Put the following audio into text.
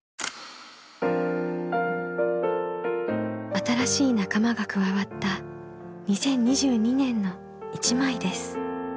新しい仲間が加わった２０２２年の一枚です。